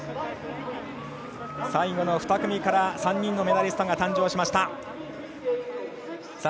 最後の２組から３人のメダリストが誕生しました。